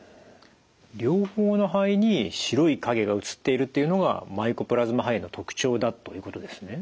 両方の肺に白い影が写っているっていうのがマイコプラズマ肺炎の特徴だということですね。